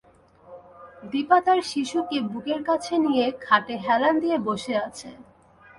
দিপা তার শিশুকে বুকের কাছে নিয়ে খাটে হেলান দিয়ে বসে আছে।